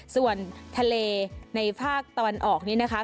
ส่วนทะเลในภาคตะวันออกนี้นะคะ